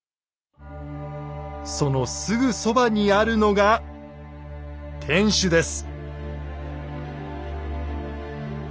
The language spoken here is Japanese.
そのすぐそばにあるのが天守です。